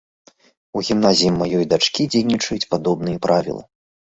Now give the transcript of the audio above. У гімназіі маёй дачкі дзейнічаюць падобныя правілы.